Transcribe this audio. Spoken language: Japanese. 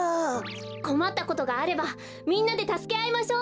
こまったことがあればみんなでたすけあいましょう。